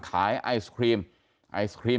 ไอศครีมไอศครีม